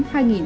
thưa quý vị